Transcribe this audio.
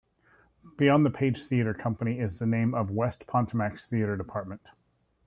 Beyond the Page Theatre Company is the name of West Potomac's theatre department.